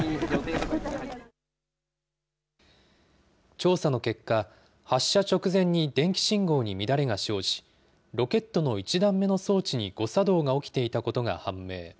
調査の結果、発射直前に電気信号に乱れが生じ、ロケットの１段目の装置に誤作動が起きていたことが判明。